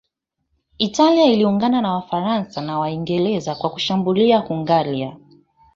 Italia ilijiunga na Wafaransa na Waingereza kwa kushambulia Hungaria